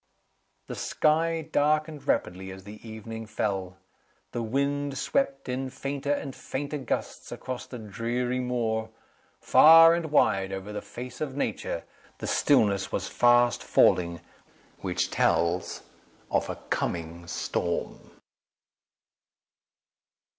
The sky darkened rapidly as the evening fell. The wind swept in fainter and fainter gusts across the dreary moor. Far and wide over the face of Nature the stillness was fast falling which tells of a coming storm.